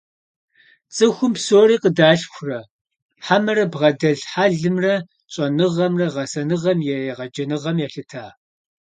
ЦӀыхум псори къыдалъхурэ, хьэмэрэ бгъэдэлъ хьэлымрэ щӀэныгъэмрэ гъэсэныгъэм е егъэджэныгъэм елъыта?